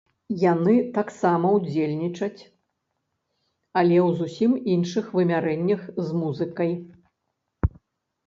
Яны таксама ўдзельнічаць, але ў зусім іншых вымярэннях з музыкай.